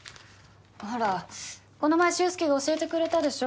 ほらこの前周介が教えてくれたでしょ？